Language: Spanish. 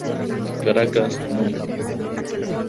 Caracas, núm.